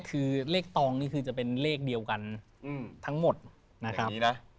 คือเลขตองนี่คือจะเป็นเลขเดียวกันทั้งหมดนะครับ